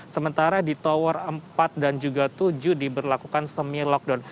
sementara di tower empat dan juga tujuh diberlakukan semi lockdown